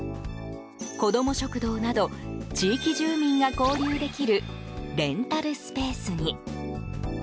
こども食堂など地域住民が交流できるレンタルスペースに。